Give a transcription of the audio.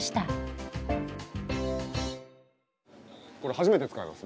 これ初めて使います。